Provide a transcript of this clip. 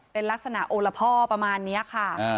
เป็นลักษณะโอละพ่อประมาณนี้ค่ะ